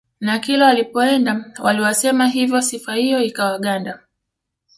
Na kila walipoenda waliwasema hivyo sifa hiyo ikawaganda